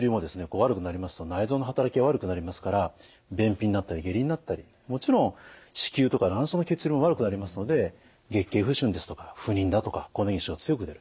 悪くなりますと内臓の働きが悪くなりますから便秘になったり下痢になったりもちろん子宮とか卵巣の血流も悪くなりますので月経不順ですとか不妊だとか更年期症状が強く出る。